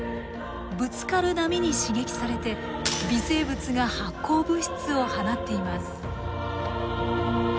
ぶつかる波に刺激されて微生物が発光物質を放っています。